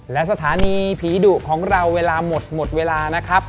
และสถานีผีดุของเราเวลาหมดหมดเวลานะครับ